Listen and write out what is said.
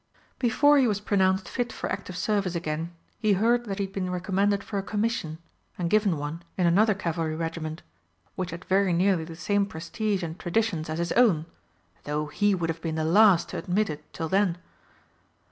Before he was pronounced fit for active service again he heard that he had been recommended for a commission, and given one in another cavalry regiment which had very nearly the same prestige and traditions as his own, though he would have been the last to admit it till then.